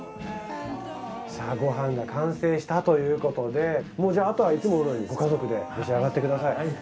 さあご飯が完成したということでじゃああとはいつものようにご家族で召し上がってください。